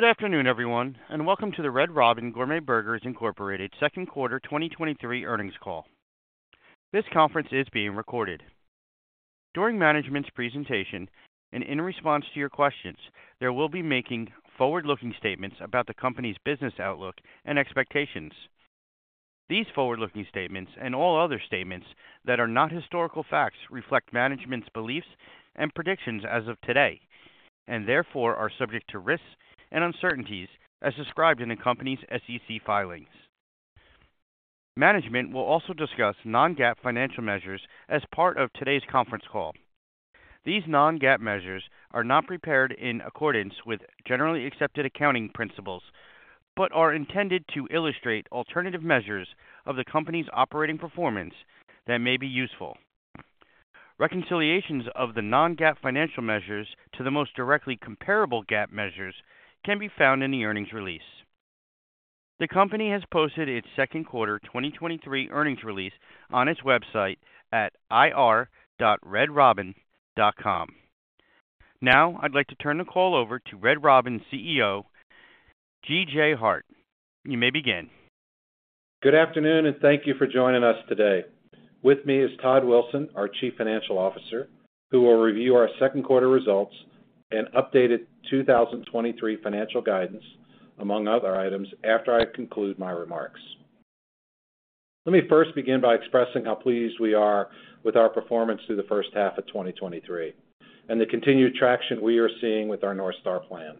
Good afternoon, everyone, and welcome to the Red Robin Gourmet Burgers, Inc. second quarter 2023 earnings call. This conference is being recorded. During management's presentation and in response to your questions, they will be making forward-looking statements about the company's business outlook and expectations. These forward-looking statements, and all other statements that are not historical facts, reflect management's beliefs and predictions as of today, and therefore are subject to risks and uncertainties as described in the company's SEC filings. Management will also discuss non-GAAP financial measures as part of today's conference call. These non-GAAP measures are not prepared in accordance with Generally Accepted Accounting Principles, but are intended to illustrate alternative measures of the company's operating performance that may be useful. Reconciliations of the non-GAAP financial measures to the most directly comparable GAAP measures can be found in the earnings release. The company has posted its second quarter 2023 earnings release on its website at ir.redrobin.com. I'd like to turn the call over to Red Robin CEO, G.J. Hart. You may begin. Good afternoon, and thank you for joining us today. With me is Todd Wilson, our Chief Financial Officer, who will review our second quarter results and updated 2023 financial guidance, among other items, after I conclude my remarks. Let me first begin by expressing how pleased we are with our performance through the first half of 2023, and the continued traction we are seeing with our North Star plan.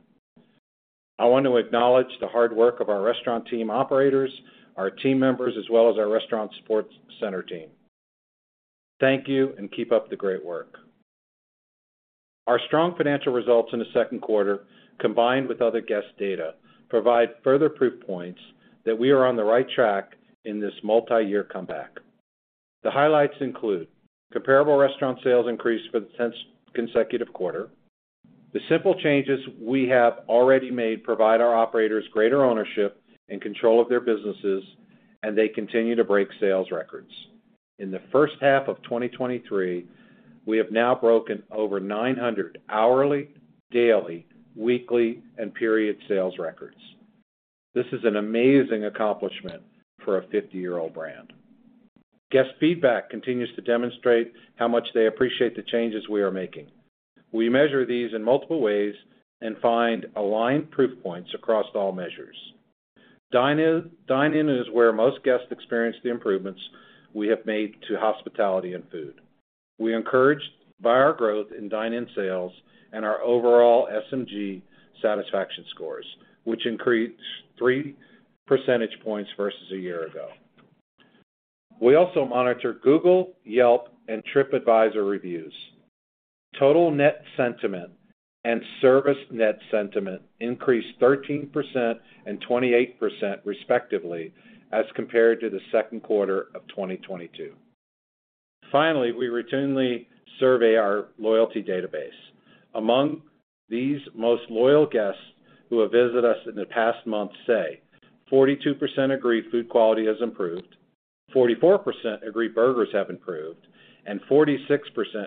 I want to acknowledge the hard work of our restaurant team operators, our team members, as well as our restaurant support center team. Thank you, and keep up the great work. Our strong financial results in the second quarter, combined with other guest data, provide further proof points that we are on the right track in this multi-year comeback. The highlights include: comparable restaurant sales increased for the 10th consecutive quarter. The simple changes we have already made provide our operators greater ownership and control of their businesses, and they continue to break sales records. In the first half of 2023, we have now broken over 900 hourly, daily, weekly, and period sales records. This is an amazing accomplishment for a 50-year-old brand. Guest feedback continues to demonstrate how much they appreciate the changes we are making. We measure these in multiple ways and find aligned proof points across all measures. Dine-in, dine-in is where most guests experience the improvements we have made to hospitality and food. We encouraged by our growth in dine-in sales and our overall SMG satisfaction scores, which increased 3 percentage points versus a year ago. We also monitor Google, Yelp, and TripAdvisor reviews. Total net sentiment and service net sentiment increased 13% and 28%, respectively, as compared to the second quarter of 2022. Finally, we routinely survey our loyalty database. Among these most loyal guests who have visited us in the past month say, 42% agree food quality has improved, 44% agree burgers have improved, and 46%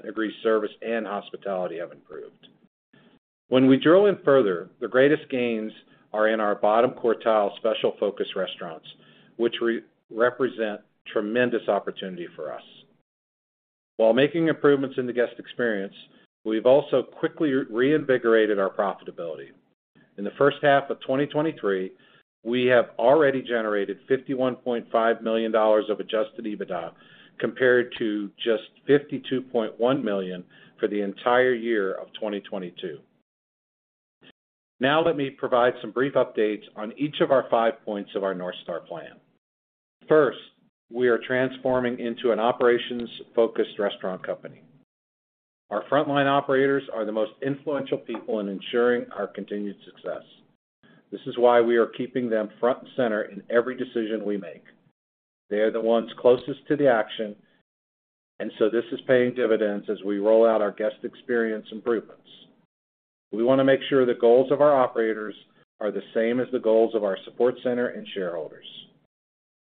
agree service and hospitality have improved. When we drill in further, the greatest gains are in our bottom quartile special focus restaurants, which represent tremendous opportunity for us. While making improvements in the guest experience, we've also quickly reinvigorated our profitability. In the first half of 2023, we have already generated $51.5 million of Adjusted EBITDA, compared to just $52.1 million for the entire year of 2022. Now let me provide some brief updates on each of our 5 points of our North Star plan. First, we are transforming into an operations-focused restaurant company. Our frontline operators are the most influential people in ensuring our continued success. This is why we are keeping them front and center in every decision we make. They are the ones closest to the action, and so this is paying dividends as we roll out our guest experience improvements. We want to make sure the goals of our operators are the same as the goals of our support center and shareholders.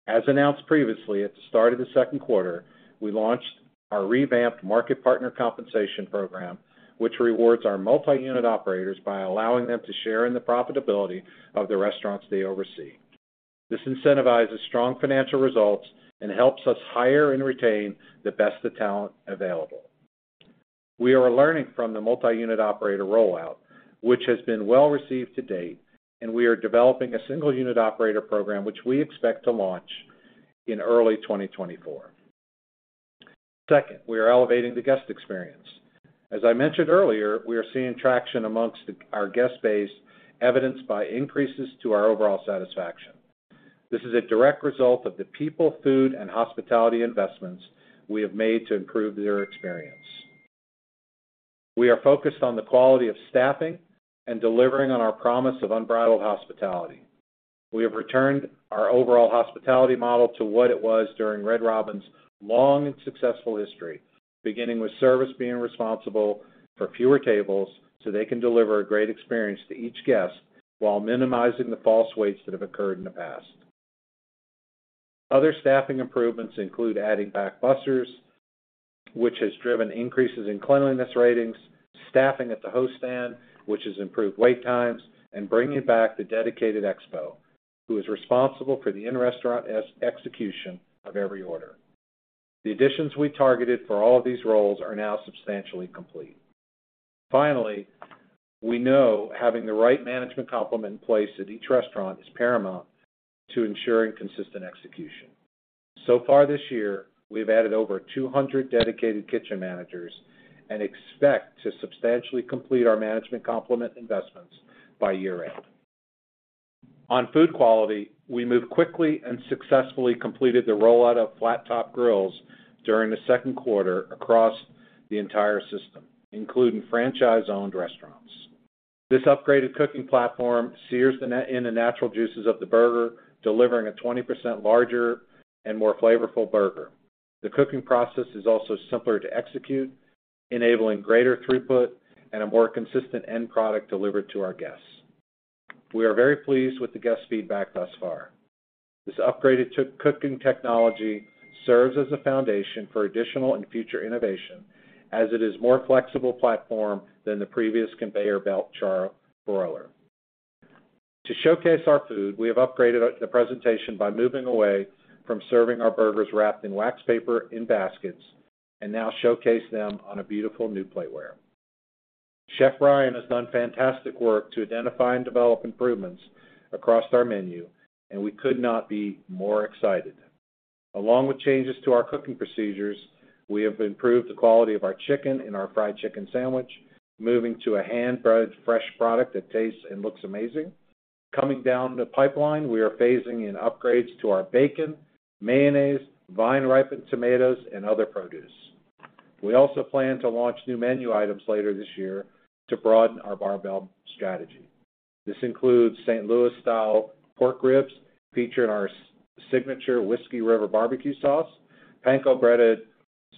As announced previously at the start of the second quarter, we launched our revamped market partner compensation program, which rewards our multi-unit operators by allowing them to share in the profitability of the restaurants they oversee. This incentivizes strong financial results and helps us hire and retain the best of talent available. We are learning from the multi-unit operator rollout, which has been well received to date. We are developing a single unit operator program, which we expect to launch in early 2024. Second, we are elevating the guest experience. As I mentioned earlier, we are seeing traction amongst our guest base, evidenced by increases to our overall satisfaction. This is a direct result of the people, food, and hospitality investments we have made to improve their experience. We are focused on the quality of staffing and delivering on our promise of unbridled hospitality. We have returned our overall hospitality model to what it was during Red Robin's long and successful history, beginning with service being responsible for fewer tables, so they can deliver a great experience to each guest while minimizing the false waits that have occurred in the past. Other staffing improvements include adding back bussers, which has driven increases in cleanliness ratings, staffing at the host stand, which has improved wait times, and bringing back the dedicated expo, who is responsible for the in-restaurant execution of every order. The additions we targeted for all of these roles are now substantially complete. Finally, we know having the right management complement in place at each restaurant is paramount to ensuring consistent execution. So far this year, we've added over 200 dedicated kitchen managers and expect to substantially complete our management complement investments by year-end. On food quality, we moved quickly and successfully completed the rollout of flat-top grills during the second quarter across the entire system, including franchise-owned restaurants. This upgraded cooking platform sears in the natural juices of the burger, delivering a 20% larger and more flavorful burger. The cooking process is also simpler to execute, enabling greater throughput and a more consistent end product delivered to our guests. We are very pleased with the guest feedback thus far. This upgraded cooking technology serves as a foundation for additional and future innovation, as it is more flexible platform than the previous conveyor belt char-broiler. To showcase our food, we have upgraded the presentation by moving away from serving our burgers wrapped in wax paper in baskets and now showcase them on a beautiful new plateware. Chef Ryan has done fantastic work to identify and develop improvements across our menu. We could not be more excited. Along with changes to our cooking procedures, we have improved the quality of our chicken in our fried chicken sandwich, moving to a hand-breaded fresh product that tastes and looks amazing. Coming down the pipeline, we are phasing in upgrades to our bacon, mayonnaise, vine-ripened tomatoes, and other produce. We also plan to launch new menu items later this year to broaden our barbell strategy. This includes St. Louis-style pork ribs, featured in our signature Whiskey River BBQ sauce, panko-breaded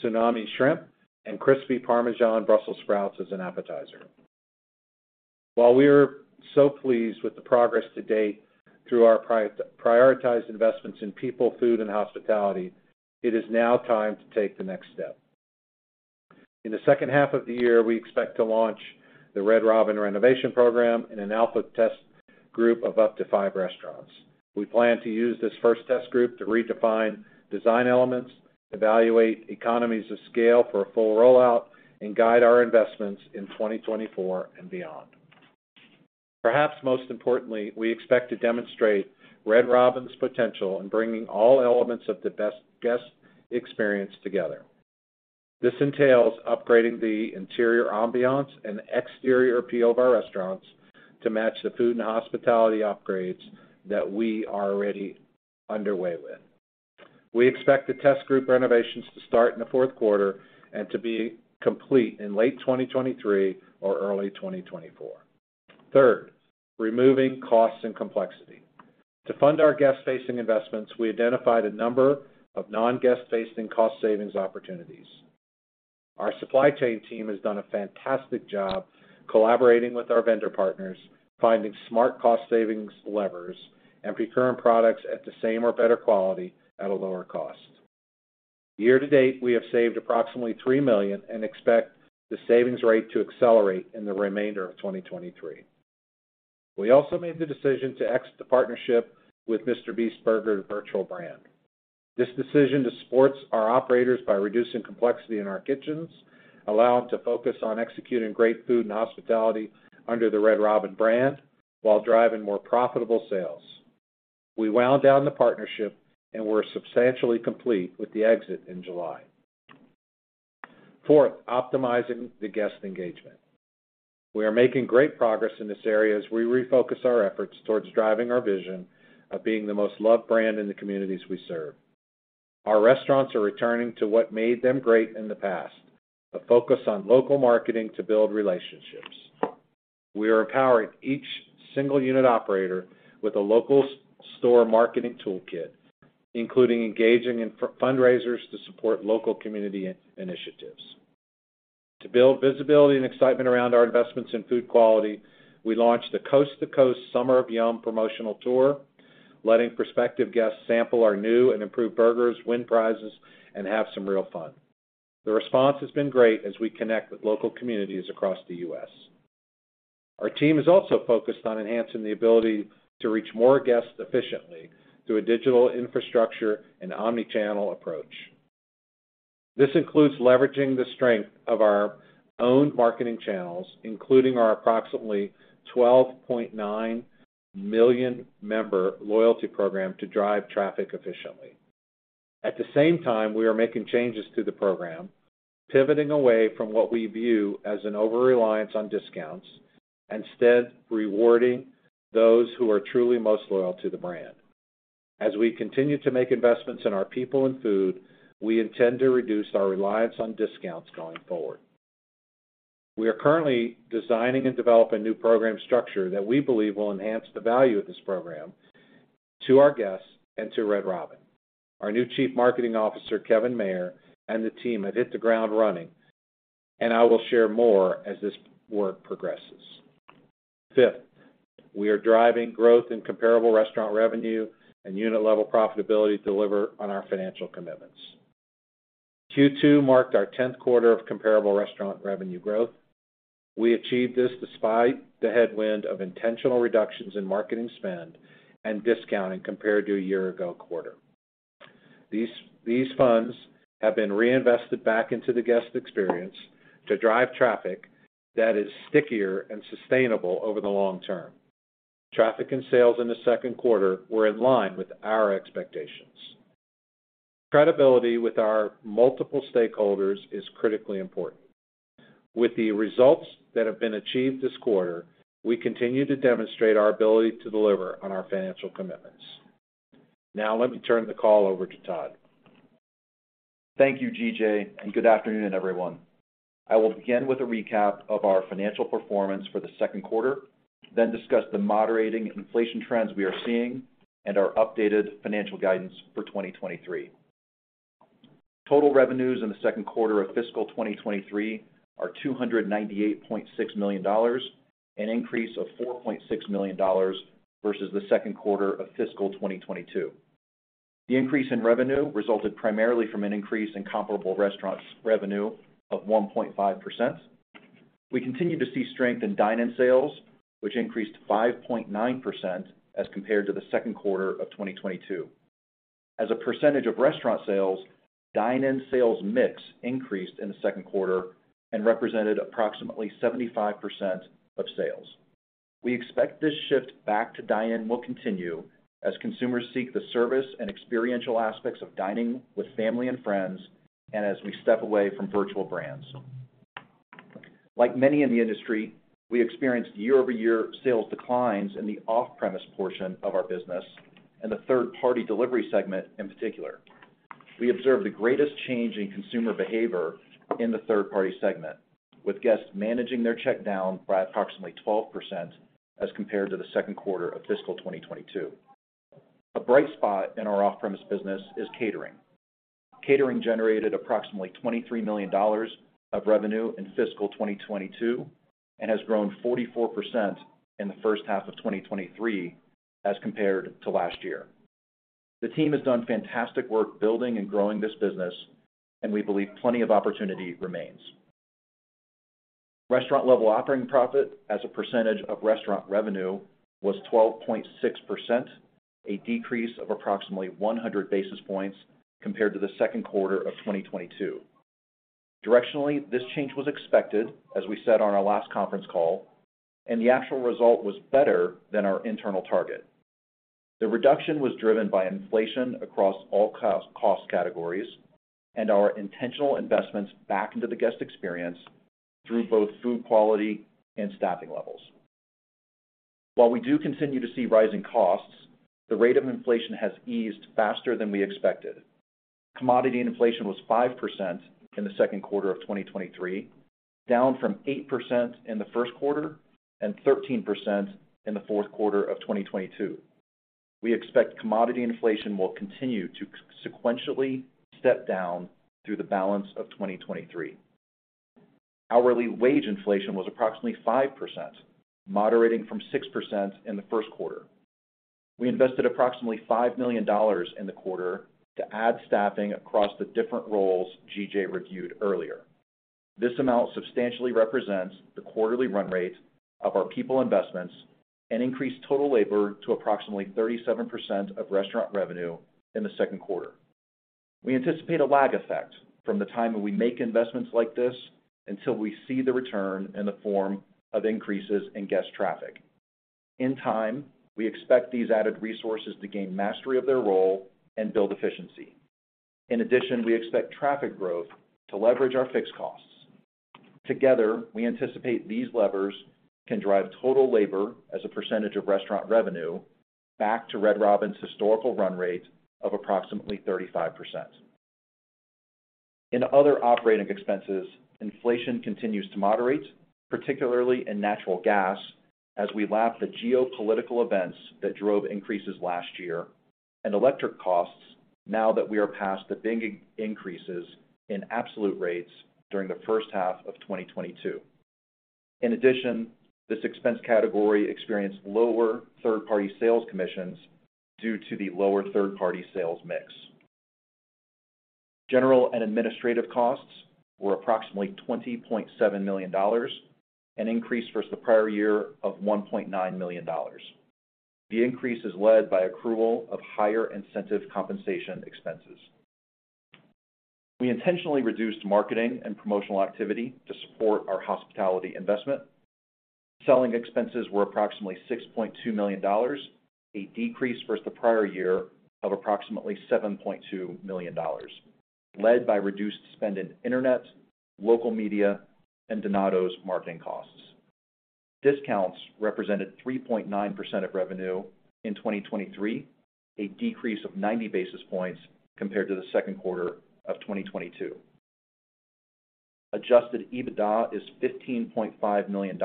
Tsunami Shrimp, and Crispy Parmesan Brussels Sprouts as an appetizer. While we are so pleased with the progress to date through our prioritized investments in people, food, and hospitality, it is now time to take the next step. In the second half of the year, we expect to launch the Red Robin renovation program in an output test group of up to five restaurants. We plan to use this first test group to redefine design elements, evaluate economies of scale for a full rollout, and guide our investments in 2024 and beyond. Perhaps most importantly, we expect to demonstrate Red Robin's potential in bringing all elements of the best guest experience together. This entails upgrading the interior ambiance and exterior appeal of our restaurants to match the food and hospitality upgrades that we are already underway with. We expect the test group renovations to start in the fourth quarter and to be complete in late 2023 or early 2024. Third, removing costs and complexity. To fund our guest-facing investments, we identified a number of non-guest-facing cost savings opportunities. Our supply chain team has done a fantastic job collaborating with our vendor partners, finding smart cost savings levers, and procuring products at the same or better quality at a lower cost. Year to date, we have saved approximately $3 million and expect the savings rate to accelerate in the remainder of 2023. We also made the decision to exit the partnership with MrBeast Burger virtual brand. This decision to support our operators by reducing complexity in our kitchens, allow them to focus on executing great food and hospitality under the Red Robin brand, while driving more profitable sales. We wound down the partnership and were substantially complete with the exit in July. Fourth, optimizing the guest engagement. We are making great progress in this area as we refocus our efforts towards driving our vision of being the most loved brand in the communities we serve. Our restaurants are returning to what made them great in the past, a focus on local marketing to build relationships. We are empowering each single unit operator with a local store marketing toolkit, including engaging in fundraisers to support local community initiatives. To build visibility and excitement around our investments in food quality, we launched the Coast to Coast Summer of YUMMM promotional tour, letting prospective guests sample our new and improved burgers, win prizes, and have some real fun. The response has been great as we connect with local communities across the U.S. Our team is also focused on enhancing the ability to reach more guests efficiently through a digital infrastructure and omnichannel approach. This includes leveraging the strength of our own marketing channels, including our approximately 12.9 million member loyalty program, to drive traffic efficiently. At the same time, we are making changes to the program, pivoting away from what we view as an overreliance on discounts, instead rewarding those who are truly most loyal to the brand. As we continue to make investments in our people and food, we intend to reduce our reliance on discounts going forward. We are currently designing and developing a new program structure that we believe will enhance the value of this program to our guests and to Red Robin. Our new Chief Marketing Officer, Kevin Mayer, and the team have hit the ground running, and I will share more as this work progresses.... Fifth, we are driving growth in comparable restaurant revenue and unit-level profitability to deliver on our financial commitments. Q2 marked our 10th quarter of comparable restaurant revenue growth. We achieved this despite the headwind of intentional reductions in marketing spend and discounting compared to a year ago quarter. These funds have been reinvested back into the guest experience to drive traffic that is stickier and sustainable over the long term. Traffic and sales in the second quarter were in line with our expectations. Credibility with our multiple stakeholders is critically important. With the results that have been achieved this quarter, we continue to demonstrate our ability to deliver on our financial commitments. Now let me turn the call over to Todd. Thank you, G.J., good afternoon, everyone. I will begin with a recap of our financial performance for the second quarter, then discuss the moderating inflation trends we are seeing and our updated financial guidance for 2023. Total revenues in the second quarter of fiscal 2023 are $298.6 million, an increase of $4.6 million versus the second quarter of fiscal 2022. The increase in revenue resulted primarily from an increase in comparable restaurant revenue of 1.5%. We continue to see strength in dine-in sales, which increased 5.9% as compared to the second quarter of 2022. As a percentage of restaurant sales, dine-in sales mix increased in the second quarter and represented approximately 75% of sales. We expect this shift back to dine-in will continue as consumers seek the service and experiential aspects of dining with family and friends, and as we step away from virtual brands. Like many in the industry, we experienced year-over-year sales declines in the off-premise portion of our business and the third-party delivery segment in particular. We observed the greatest change in consumer behavior in the third-party segment, with guests managing their check down by approximately 12% as compared to the second quarter of fiscal 2022. A bright spot in our off-premise business is catering. Catering generated approximately $23 million of revenue in fiscal 2022 and has grown 44% in the first half of 2023 as compared to last year. The team has done fantastic work building and growing this business, and we believe plenty of opportunity remains. Restaurant level operating profit as a percentage of restaurant revenue was 12.6%, a decrease of approximately 100 basis points compared to the second quarter of 2022. Directionally, this change was expected, as we said on our last conference call, and the actual result was better than our internal target. The reduction was driven by inflation across all cost, cost categories and our intentional investments back into the guest experience through both food quality and staffing levels. While we do continue to see rising costs, the rate of inflation has eased faster than we expected. Commodity inflation was 5% in the second quarter of 2023, down from 8% in the first quarter and 13% in the fourth quarter of 2022. We expect commodity inflation will continue to sequentially step down through the balance of 2023. Hourly wage inflation was approximately 5%, moderating from 6% in the first quarter. We invested approximately $5 million in the quarter to add staffing across the different roles GJ reviewed earlier. This amount substantially represents the quarterly run rate of our people investments and increased total labor to approximately 37% of restaurant revenue in the second quarter. We anticipate a lag effect from the time that we make investments like this until we see the return in the form of increases in guest traffic. In time, we expect these added resources to gain mastery of their role and build efficiency. In addition, we expect traffic growth to leverage our fixed costs. Together, we anticipate these levers can drive total labor as a percentage of restaurant revenue back to Red Robin's historical run rate of approximately 35%. In other operating expenses, inflation continues to moderate, particularly in natural gas, as we lap the geopolitical events that drove increases last year and electric costs now that we are past the big increases in absolute rates during the first half of 2022. In addition, this expense category experienced lower third-party sales commissions due to the lower third-party sales mix. General and administrative costs were approximately $20.7 million, an increase versus the prior year of $1.9 million. The increase is led by accrual of higher incentive compensation expenses. We intentionally reduced marketing and promotional activity to support our hospitality investment. Selling expenses were approximately $6.2 million, a decrease versus the prior year of approximately $7.2 million, led by reduced spend in internet, local media, and Donatos marketing costs. Discounts represented 3.9% of revenue in 2023, a decrease of 90 basis points compared to the second quarter of 2022. Adjusted EBITDA is $15.5 million,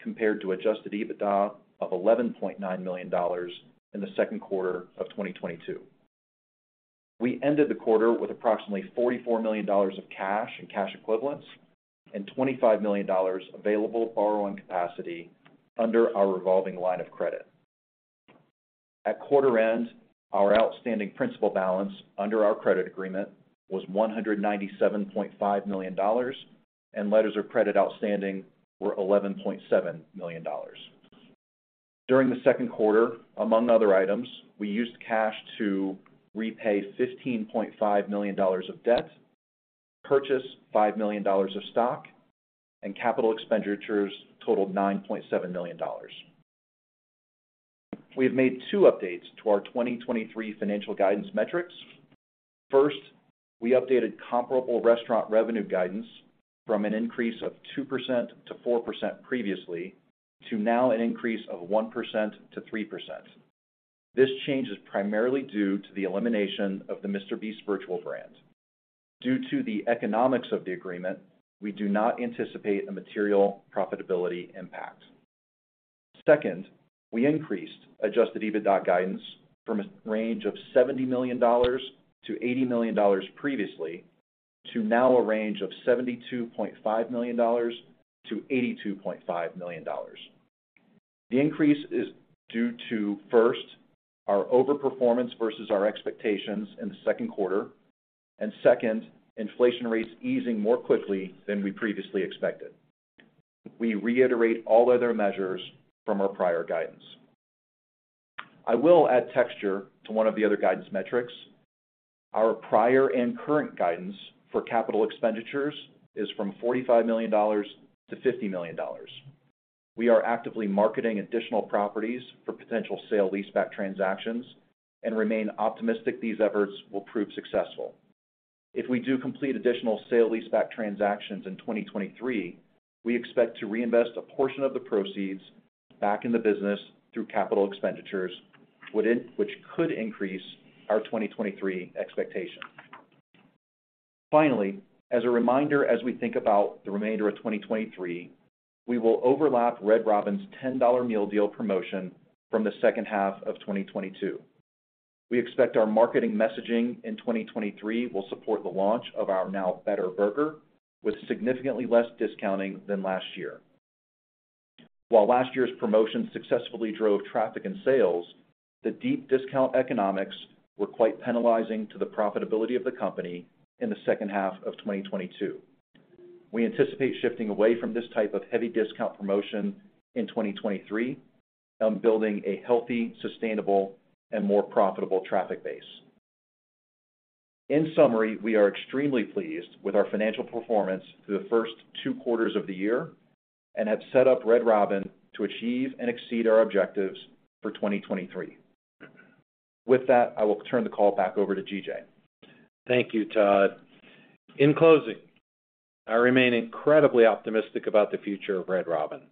compared to Adjusted EBITDA of $11.9 million in the second quarter of 2022. We ended the quarter with approximately $44 million of cash and cash equivalents and $25 million available borrowing capacity under our revolving line of credit. At quarter end, our outstanding principal balance under our credit agreement was $197.5 million, and letters of credit outstanding were $11.7 million. During the second quarter, among other items, we used cash to repay $15.5 million of debt, purchase $5 million of stock, and capital expenditures totaled $9.7 million. We have made two updates to our 2023 financial guidance metrics. First, we updated comparable restaurant revenue guidance from an increase of 2%-4% previously, to now an increase of 1%-3%. This change is primarily due to the elimination of the MrBeast Virtual Brand. Due to the economics of the agreement, we do not anticipate a material profitability impact. Second, we increased adjusted EBITDA guidance from a range of $70 million-$80 million previously, to now a range of $72.5 million-$82.5 million. The increase is due to, first, our overperformance versus our expectations in the second quarter, and second, inflation rates easing more quickly than we previously expected. We reiterate all other measures from our prior guidance. I will add texture to one of the other guidance metrics. Our prior and current guidance for capital expenditures is from $45 million-$50 million. We are actively marketing additional properties for potential sale-leaseback transactions and remain optimistic these efforts will prove successful. If we do complete additional sale-leaseback transactions in 2023, we expect to reinvest a portion of the proceeds back in the business through capital expenditures, which could increase our 2023 expectations. Finally, as a reminder, as we think about the remainder of 2023, we will overlap Red Robin's $10 Gourmet Meal Deal promotion from the second half of 2022. We expect our marketing messaging in 2023 will support the launch of our now better burger with significantly less discounting than last year. While last year's promotion successfully drove traffic and sales, the deep discount economics were quite penalizing to the profitability of the company in the second half of 2022. We anticipate shifting away from this type of heavy discount promotion in 2023 on building a healthy, sustainable, and more profitable traffic base. In summary, we are extremely pleased with our financial performance through the first 2 quarters of the year and have set up Red Robin to achieve and exceed our objectives for 2023. With that, I will turn the call back over to G.J. Thank you, Todd. In closing, I remain incredibly optimistic about the future of Red Robin.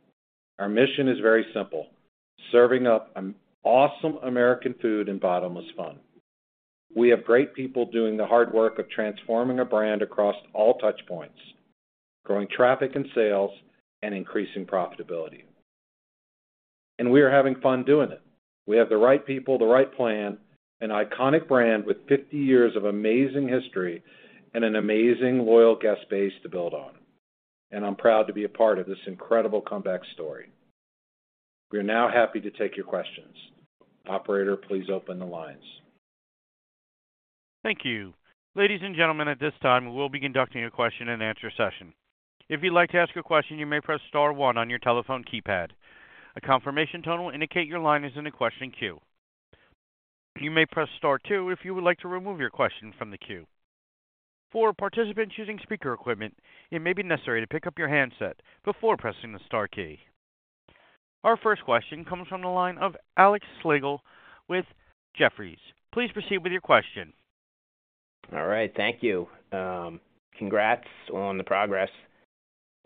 Our mission is very simple: serving up awesome American food and bottomless fun. We have great people doing the hard work of transforming a brand across all touch points, growing traffic and sales, and increasing profitability. We are having fun doing it. We have the right people, the right plan, an iconic brand with 50 years of amazing history and an amazing loyal guest base to build on, and I'm proud to be a part of this incredible comeback story. We are now happy to take your questions. Operator, please open the lines. Thank you. Ladies and gentlemen, at this time, we will be conducting a question-and-answer session. If you'd like to ask a question, you may press star one on your telephone keypad. A confirmation tone will indicate your line is in the question queue. You may press star two if you would like to remove your question from the queue. For participants using speaker equipment, it may be necessary to pick up your handset before pressing the star key. Our first question comes from the line of Alex Slagle with Jefferies. Please proceed with your question. All right, thank you. Congrats on the progress.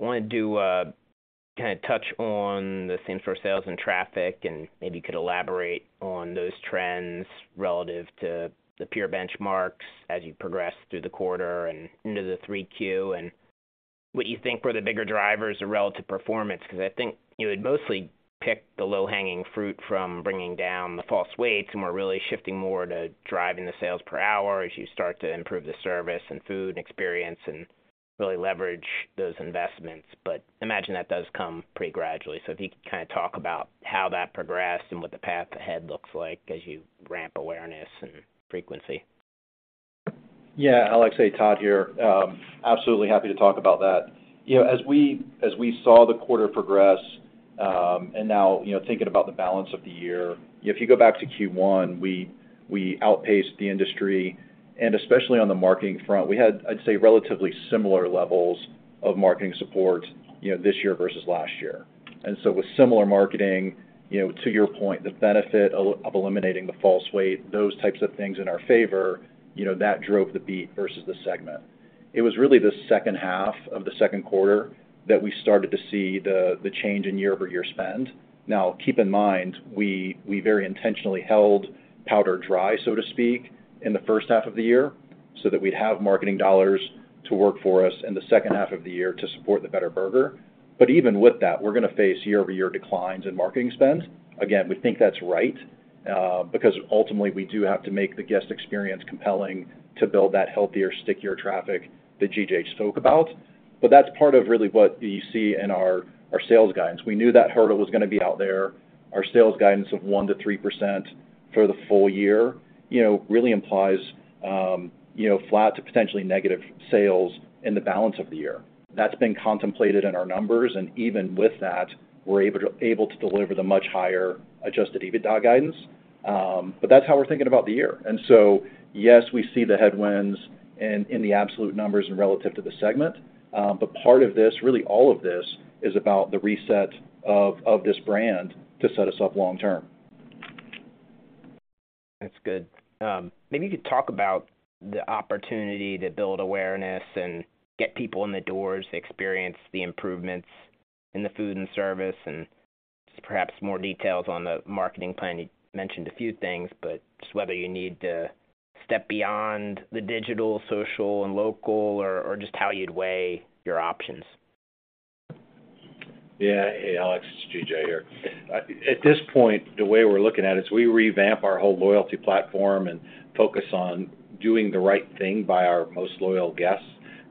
I wanted to kind of touch on the same for sales and traffic, and maybe you could elaborate on those trends relative to the peer benchmarks as you progress through the quarter and into the 3Q, and what you think were the bigger drivers or relative performance, because I think you had mostly picked the low-hanging fruit from bringing down the false weights and were really shifting more to driving the sales per hour as you start to improve the service and food experience and really leverage those investments. Imagine that does come pretty gradually. If you could kind of talk about how that progressed and what the path ahead looks like as you ramp awareness and frequency. Yeah, Alex, hey, Todd here. Absolutely happy to talk about that. You know, as we, as we saw the quarter progress, and now, you know, thinking about the balance of the year, if you go back to Q1, we, we outpaced the industry, and especially on the marketing front, we had, I'd say, relatively similar levels of marketing support, you know, this year versus last year. With similar marketing, you know, to your point, the benefit of eliminating the false weight, those types of things in our favor, you know, that drove the beat versus the segment. It was really the second half of the second quarter that we started to see the, the change in year-over-year spend. Keep in mind, we, we very intentionally held powder dry, so to speak, in the first half of the year.... That we'd have marketing dollars to work for us in the second half of the year to support the better burger. Even with that, we're gonna face year-over-year declines in marketing spend. Again, we think that's right, because ultimately, we do have to make the guest experience compelling to build that healthier, stickier traffic that GJ spoke about. That's part of really what you see in our, our sales guidance. We knew that hurdle was gonna be out there. Our sales guidance of 1%-3% for the full year, you know, really implies, you know, flat to potentially negative sales in the balance of the year. That's been contemplated in our numbers, and even with that, we're able to, able to deliver the much higher Adjusted EBITDA guidance. That's how we're thinking about the year. Yes, we see the headwinds in, in the absolute numbers and relative to the segment, but part of this, really all of this, is about the reset of, of this brand to set us up long term. That's good. Maybe you could talk about the opportunity to build awareness and get people in the doors to experience the improvements in the food and service, and just perhaps more details on the marketing plan. You mentioned a few things, but just whether you need to step beyond the digital, social and local, or, or just how you'd weigh your options. Yeah. Hey, Alex, it's G.J. here. At this point, the way we're looking at it is we revamp our whole loyalty platform and focus on doing the right thing by our most loyal guests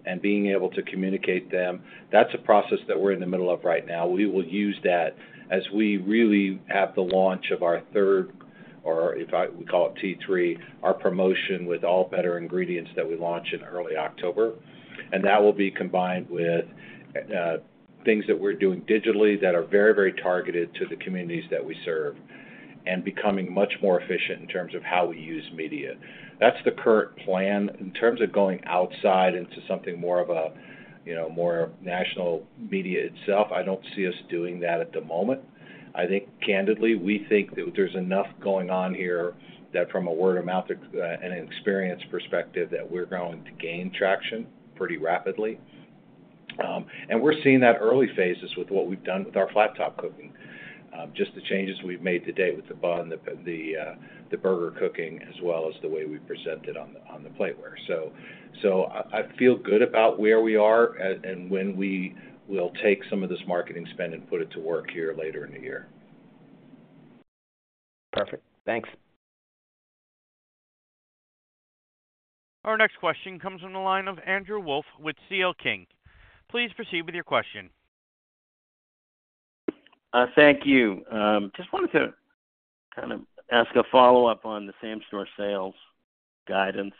and being able to communicate them. That's a process that we're in the middle of right now. We will use that as we really, at the launch of our third, or if I-- we call it T3, our promotion with all better ingredients that we launch in early October. That will be combined with things that we're doing digitally that are very, very targeted to the communities that we serve, and becoming much more efficient in terms of how we use media. That's the current plan. In terms of going outside into something more of a, you know, more national media itself, I don't see us doing that at the moment. I think candidly, we think that there's enough going on here that from a word-of-mouth, and an experience perspective, that we're going to gain traction pretty rapidly. We're seeing that early phases with what we've done with our flat-top cooking, just the changes we've made today with the bun, the, the, the burger cooking, as well as the way we present it on the, on the plateware. I, I feel good about where we are and, and when we will take some of this marketing spend and put it to work here later in the year. Perfect. Thanks. Our next question comes from the line of Andrew Wolf with C.L. King. Please proceed with your question. Thank you. Just wanted to kind of ask a follow-up on the same-store sales guidance.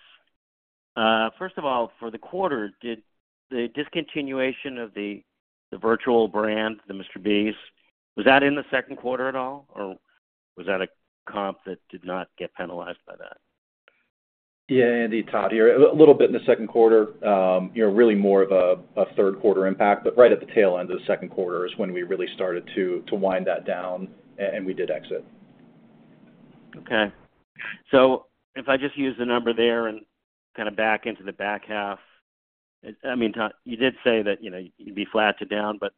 First of all, for the quarter, did the discontinuation of the, the virtual brand, the MrBeast, was that in the second quarter at all, or was that a comp that did not get penalized by that? Yeah, Andy, Todd here. A little bit in the second quarter. You know, really more of a, a third quarter impact, but right at the tail end of the second quarter is when we really started to, to wind that down, and we did exit. Okay. If I just use the number there and kind of back into the back half, I mean, Todd, you did say that, you know, you'd be flat to down, but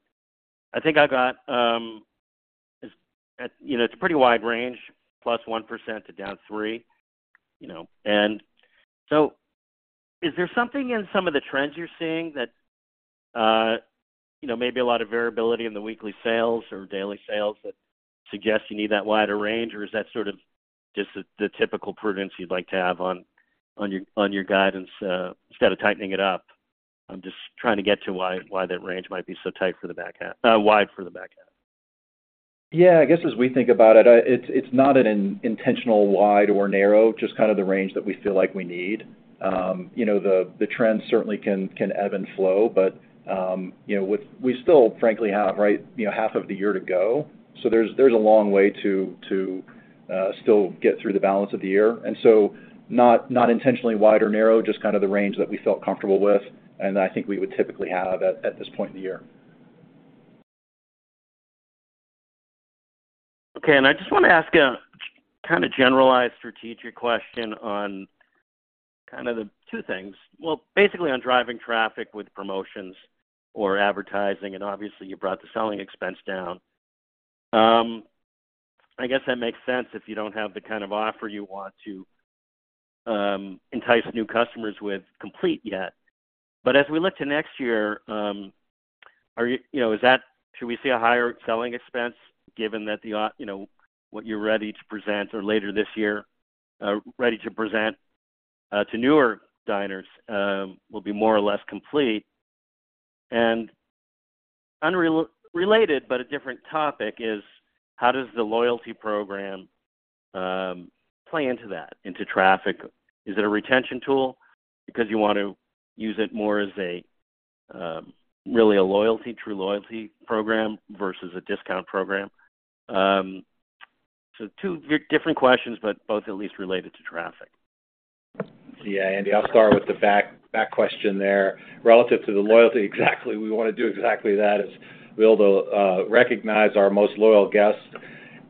I think I got, as you know, it's a pretty wide range, +1%- -3%, you know. Is there something in some of the trends you're seeing that, you know, maybe a lot of variability in the weekly sales or daily sales that suggests you need that wider range? Or is that sort of just the, the typical prudence you'd like to have on, on your, on your guidance, instead of tightening it up? I'm just trying to get to why, why that range might be so tight for the back half, wide for the back half. Yeah, I guess as we think about it, it's, it's not an intentional wide or narrow, just kind of the range that we feel like we need. You know, the trends certainly can, can ebb and flow, but, you know, We still frankly have, right, you know, half of the year to go, so there's, there's a long way to, to, still get through the balance of the year. Not, not intentionally wide or narrow, just kind of the range that we felt comfortable with and I think we would typically have at, at this point in the year. Okay. I just want to ask a kind of generalized strategic question on kind of the-- two things. Well, basically on driving traffic with promotions or advertising, and obviously you brought the selling expense down. I guess that makes sense if you don't have the kind of offer you want to entice new customers with complete yet. But as we look to next year, are you-- is that-- should we see a higher selling expense given that the, what you're ready to present or later this year, ready to present to newer diners, will be more or less complete? Unreal- related, but a different topic is: how does the loyalty program play into that, into traffic? Is it a retention tool because you want to use it more as a, really a loyalty, true loyalty program versus a discount program? Two different questions, but both at least related to traffic. Yeah, Andy, I'll start with the back, back question there. Relative to the loyalty, exactly, we want to do exactly that, is be able to recognize our most loyal guests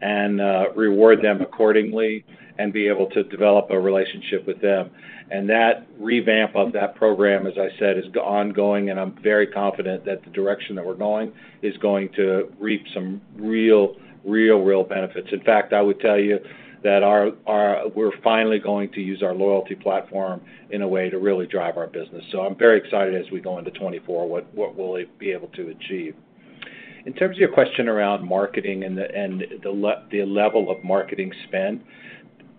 and reward them accordingly and be able to develop a relationship with them. That revamp of that program, as I said, is ongoing, and I'm very confident that the direction that we're going is going to reap some real, real, real benefits. In fact, I would tell you... that our, our we're finally going to use our loyalty platform in a way to really drive our business. I'm very excited as we go into 2024, what, what we'll be able to achieve. In terms of your question around marketing and the, and the level of marketing spend,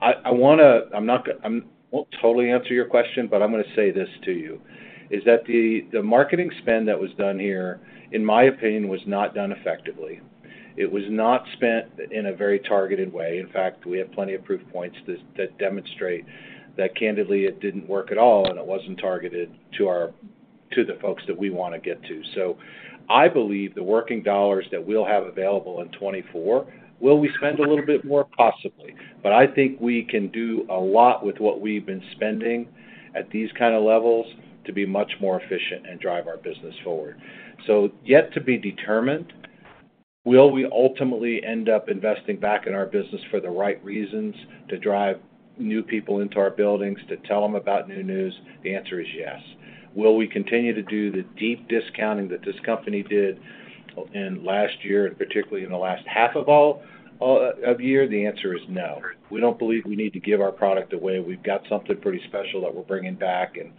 I, I wanna I'm not gonna... I won't totally answer your question, but I'm gonna say this to you, is that the marketing spend that was done here, in my opinion, was not done effectively. It was not spent in a very targeted way. In fact, we have plenty of proof points that demonstrate that, candidly, it didn't work at all, and it wasn't targeted to the folks that we wanna get to. I believe the working dollars that we'll have available in 2024, will we spend a little bit more? Possibly. I think we can do a lot with what we've been spending at these kind of levels to be much more efficient and drive our business forward. Yet to be determined, will we ultimately end up investing back in our business for the right reasons, to drive new people into our buildings, to tell them about new news? The answer is yes. Will we continue to do the deep discounting that this company did in last year, and particularly in the last half of all of year? The answer is no. We don't believe we need to give our product away. We've got something pretty special that we're bringing back, and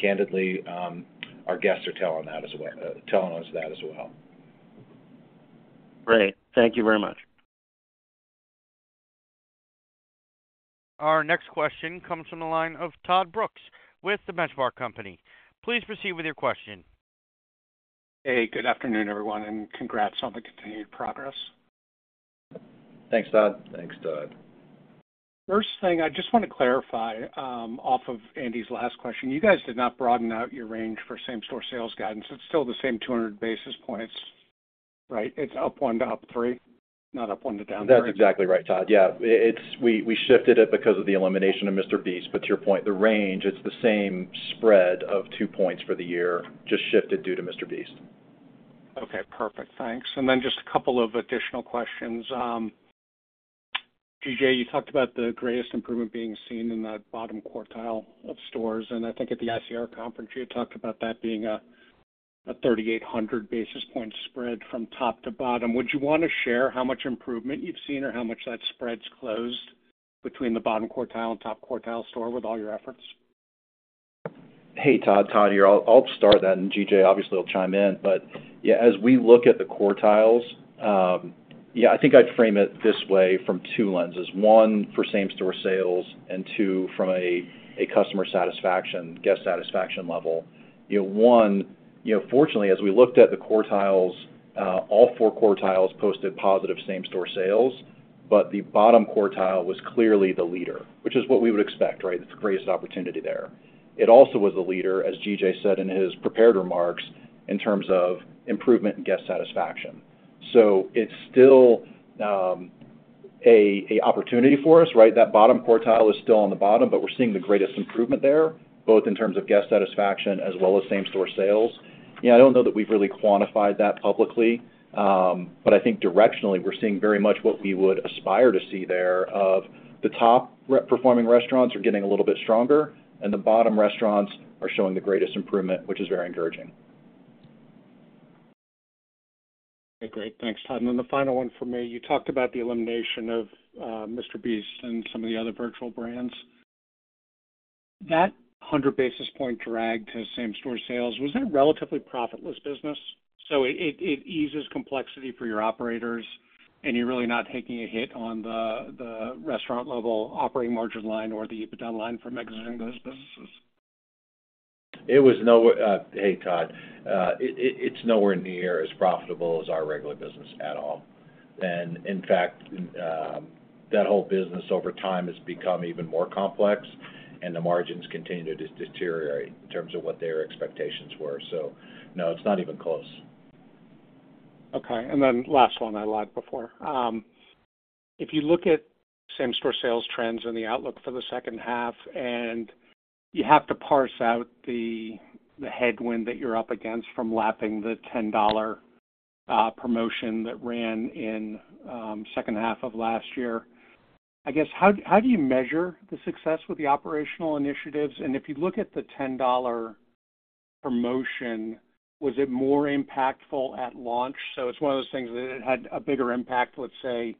candidly, our guests are telling that as well, telling us that as well. Great. Thank you very much. Our next question comes from the line of Todd Brooks with The Benchmark Company. Please proceed with your question. Hey, good afternoon, everyone. Congrats on the continued progress. Thanks, Todd. Thanks, Todd. First thing, I just want to clarify, off of Andy's last question. You guys did not broaden out your range for same-store sales guidance. It's still the same 200 basis points, right? It's +1% to +3%, not +1% to -3%. That's exactly right, Todd. Yeah, it's, we shifted it because of the elimination of MrBeast. To your point, the range, it's the same spread of 2 points for the year, just shifted due to MrBeast. Okay, perfect. Thanks. Then just a couple of additional questions. G.J., you talked about the greatest improvement being seen in the bottom quartile of stores, and I think at the ICR conference, you talked about that being a, a 3,800 basis point spread from top to bottom. Would you want to share how much improvement you've seen or how much that spread's closed between the bottom quartile and top quartile store with all your efforts? Hey, Todd. Todd here. I'll, I'll start that, and G.J., obviously, will chime in. Yeah, as we look at the quartiles, I think I'd frame it this way from two lenses: one, for same-store sales, and two, from a, a customer satisfaction, guest satisfaction level. You know, one, you know, fortunately, as we looked at the quartiles, all four quartiles posted positive same-store sales, the bottom quartile was clearly the leader, which is what we would expect, right? It's the greatest opportunity there. It also was the leader, as G.J. said in his prepared remarks, in terms of improvement in guest satisfaction. It's still a, a opportunity for us, right? That bottom quartile is still on the bottom, we're seeing the greatest improvement there, both in terms of guest satisfaction as well as same-store sales. Yeah, I don't know that we've really quantified that publicly, but I think directionally, we're seeing very much what we would aspire to see there, of the top rep-performing restaurants are getting a little bit stronger, and the bottom restaurants are showing the greatest improvement, which is very encouraging. Okay, great. Thanks, Todd. The final one for me. You talked about the elimination of MrBeast and some of the other virtual brands. That 100 basis point drag to same-store sales, was that a relatively profitless business? It, it, it eases complexity for your operators, and you're really not taking a hit on the, the restaurant level operating margin line or the EBITDA line for exiting those businesses. It was nowhere... Hey, Todd. It's nowhere near as profitable as our regular business at all. In fact, that whole business over time has become even more complex, and the margins continue to deteriorate in terms of what their expectations were. No, it's not even close. Okay, and then last one, I lied before. If you look at same-store sales trends and the outlook for the second half, and you have to parse out the headwind that you're up against from lapping the $10 promotion that ran in second half of last year, I guess, how do you measure the success with the operational initiatives? If you look at the $10 promotion, was it more impactful at launch? It's one of those things that it had a bigger impact, let's say,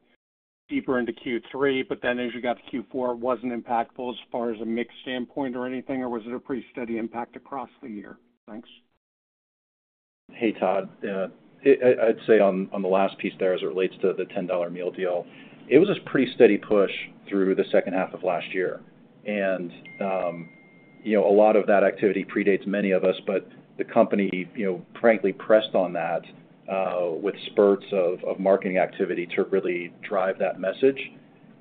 deeper into Q3, but then as you got to Q4, it wasn't impactful as far as a mix standpoint or anything, or was it a pretty steady impact across the year? Thanks. Hey, Todd. I'd say on the last piece there, as it relates to the $10 Gourmet Meal Deal, it was a pretty steady push through the second half of last year. You know, a lot of that activity predates many of us, but the company, you know, frankly, pressed on that with spurts of marketing activity to really drive that message.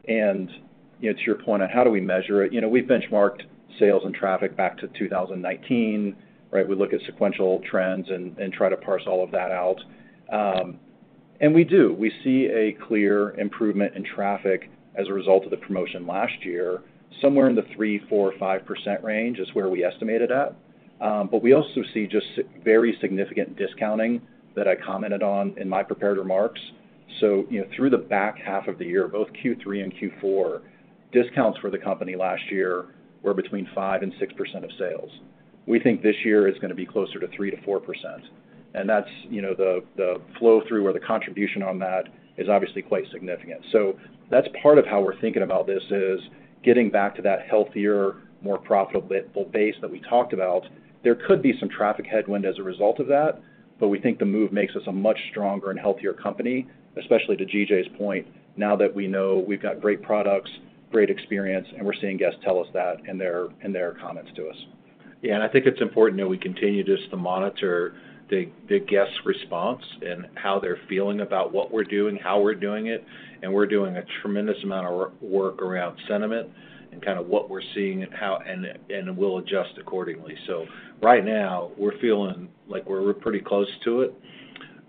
You know, to your point on how do we measure it, you know, we've benchmarked sales and traffic back to 2019, right? We look at sequential trends and try to parse all of that out. We do. We see a clear improvement in traffic as a result of the promotion last year. Somewhere in the 3%-5% range is where we estimated at. We also see very significant discounting that I commented on in my prepared remarks. You know, through the back half of the year, both Q3 and Q4, discounts for the company last year were between 5%-6% of sales. We think this year it's gonna be closer to 3%-4%, and that's, you know, the, the flow-through or the contribution on that is obviously quite significant. That's part of how we're thinking about this, is getting back to that healthier, more profitable base that we talked about. There could be some traffic headwind as a result of that, but we think the move makes us a much stronger and healthier company, especially to GJ's point, now that we know we've got great products, great experience, and we're seeing guests tell us that in their, in their comments to us. Yeah, and I think it's important that we continue just to monitor the, the guest's response and how they're feeling about what we're doing, how we're doing it. We're doing a tremendous amount of work around sentiment and kind of what we're seeing and how, and we'll adjust accordingly. Right now, we're feeling like we're, we're pretty close to it,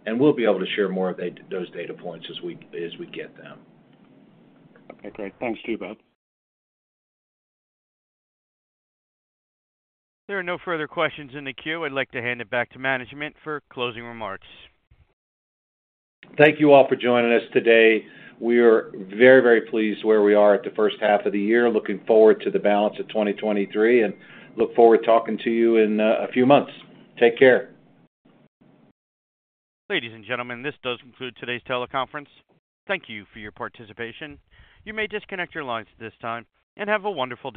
and we'll be able to share more of those data points as we, as we get them. Okay. Thanks to you both. There are no further questions in the queue. I'd like to hand it back to management for closing remarks. Thank you all for joining us today. We are very, very pleased where we are at the first half of the year. Looking forward to the balance of 2023, and look forward to talking to you in a few months. Take care. Ladies and gentlemen, this does conclude today's teleconference. Thank you for your participation. You may disconnect your lines at this time. Have a wonderful day.